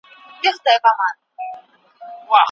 د ټولو توکو بیې په ازاد بازار کي په سمه توګه ټاکل کیږي.